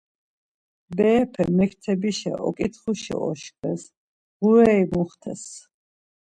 Berepe mektebişa oǩitxuşa oşkves, ğureri muxtes.